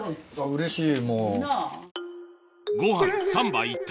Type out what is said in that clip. うれしい！